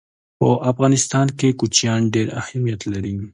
په افغانستان کې کوچیان ډېر اهمیت لري.